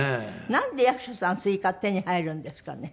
なんで役所さんスイカ手に入るんですかね？